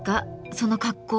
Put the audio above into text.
その格好。